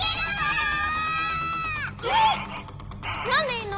なんでいんの？